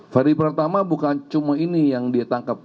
freddy pratama bukan cuma ini yang ditangkap